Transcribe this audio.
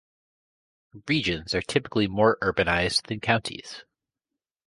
Regions are typically more urbanized than counties.